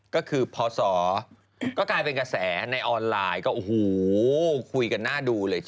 ก็คือพศก็กลายเป็นกระแสในออนไลน์ก็โอ้โหคุยกันหน้าดูเลย